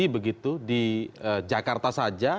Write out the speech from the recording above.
begitu di jakarta saja